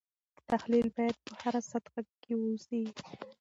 تحلیل باید په هره سطحه کې وسي.